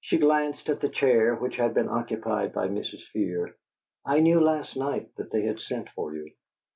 She glanced at the chair which had been occupied by Mrs. Fear. "I knew last night that they had sent for you."